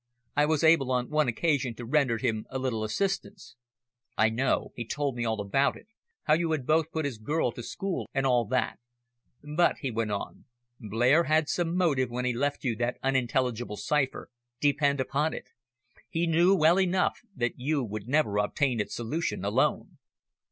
"I was able on one occasion to render him a little assistance." "I know. He told me all about it how you had both put his girl to school, and all that. But," he went on, "Blair had some motive when he left you that unintelligible cipher, depend upon it. He knew well enough that you would never obtain its solution alone."